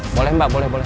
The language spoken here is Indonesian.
boleh mbak boleh boleh